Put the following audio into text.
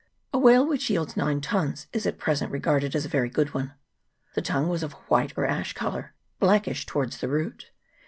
A whale which yields nine tuns is at present regarded as a very good one. The tongue was of a white or ash colour, blackish towards the root.